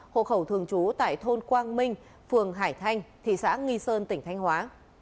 hộ khẩu thường trú tại thôn quang minh phường hải thanh thị xã nghi sơn tỉnh thanh hóa